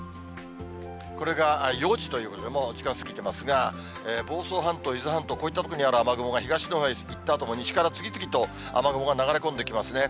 これが４時ということで、もう時間過ぎてますが、房総半島、伊豆半島、こういった所にある雨雲が、東の方へ行ったあとも西から次々と雨雲が流れ込んできますね。